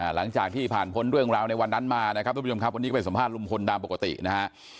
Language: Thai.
หลังจากที่ผ่านพ้นเรื่องราวในวันนั้นมานะครับวันนี้ไปสัมภาษณ์รุ่งพลตามปกตินะฮะ